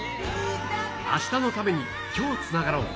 明日のために、今日つながろう。